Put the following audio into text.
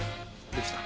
できた？